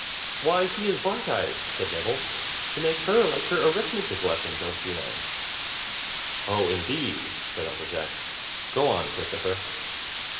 "Why, he is Brighteyes!" said Nibble. "To make her like her arithmetic lesson, don't you know?" "Oh! indeed!" said Uncle Jack. "Go on, Christopher!"